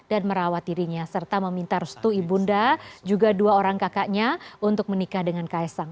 dan merawat dirinya serta meminta restu ibunda juga dua orang kakaknya untuk menikah dengan kak esang